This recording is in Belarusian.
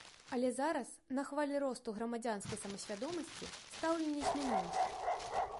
Але зараз на хвалі росту грамадзянскай самасвядомасці стаўленне змянілася.